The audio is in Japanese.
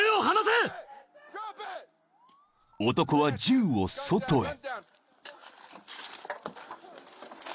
［男は銃を外へ］